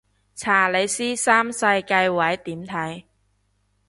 查理斯三世繼位點睇